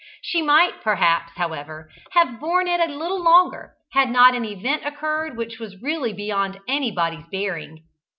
She might perhaps, however, have borne it a little longer, had not an event occurred which was really beyond anybody's bearing.